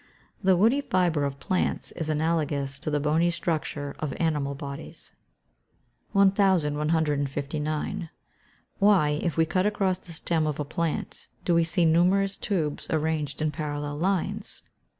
The woody fibre of plants is analogous to the bony structure of animal bodies. 1159. _Why, if we cut across the stem of a plant do we see numerous tubes arranged in parallel lines?